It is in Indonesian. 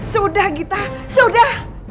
sudah gita sudah